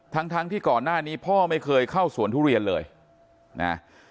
ทั้งทั้งที่ก่อนหน้านี้พ่อไม่เคยเข้าสวนทุเรียนเลยนะ